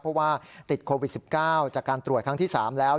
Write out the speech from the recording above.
เพราะว่าติดโควิด๑๙จากการตรวจครั้งที่๓แล้ว